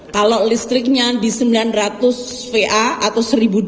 kalau listriknya di sembilan ratus va atau seribu dua ratus